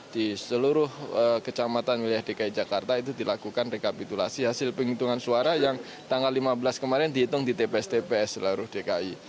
di seluruh kecamatan wilayah dki jakarta itu dilakukan rekapitulasi hasil penghitungan suara yang tanggal lima belas kemarin dihitung di tps tps seluruh dki